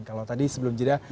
kalau tadi sebelum jeda